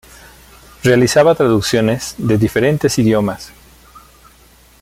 Realizaba traducciones de diferentes idiomas.